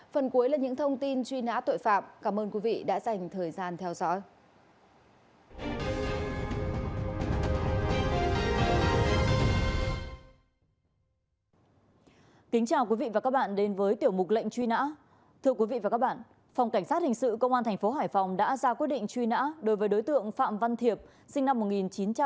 phần cuối là những thông tin truy nã tội phạm cảm ơn quý vị đã dành thời gian theo dõi